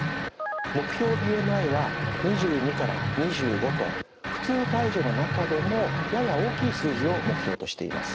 目標ＢＭＩは２２２５と普通体重の中でもやや大きい数字を目標としています。